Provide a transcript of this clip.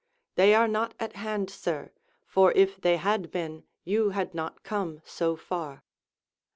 They are not at hand, sir, for if they had been, you had not come so far.